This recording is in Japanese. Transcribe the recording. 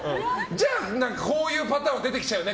じゃあ、こういうパターンが出てきちゃうよね。